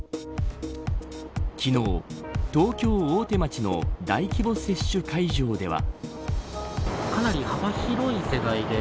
昨日、東京、大手町の大規模接種会場では。